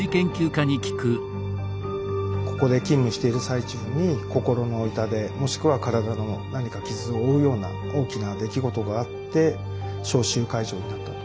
ここで勤務している最中に心の痛手もしくは体の何か傷を負うような大きな出来事があって召集解除になったと。